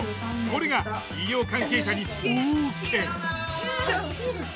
これが医療関係者に大ウケ！